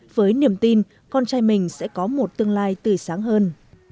với niềm tin con trai mình sẽ có một tương lai tươi sáng hơn